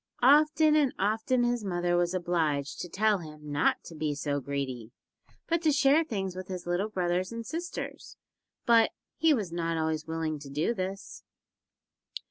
Often and often his mother was obliged to tell him not to be so greedy, but to share things with his little brothers and sisters, but he was not always willing to do this.